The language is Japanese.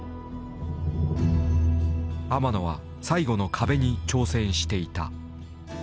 天野は最後の壁に挑戦していた。